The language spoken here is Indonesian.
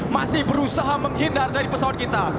masih berusaha menghindar dari pesawat kita